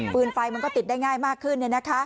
ฟื้นไฟมันก็ติดได้ง่ายมากขึ้นนะคะ